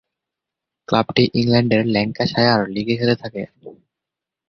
ক্লাবটি ইংল্যান্ডের ল্যাঙ্কাশায়ার লীগে খেলে থাকে।